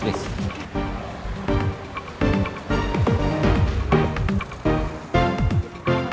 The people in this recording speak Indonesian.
terima kasih rizk